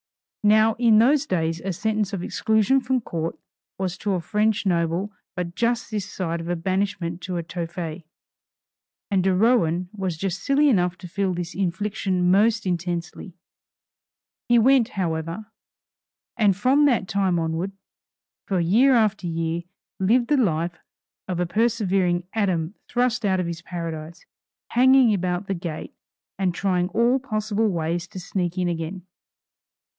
Now in those days a sentence of exclusion from Court was to a French noble but just this side of a banishment to Tophet; and de Rohan was just silly enough to feel this infliction most intensely. He went however, and from that time onward, for year after year, lived the life of a persevering Adam thrust out of his paradise, hanging about the gate and trying all possible ways to sneak in again.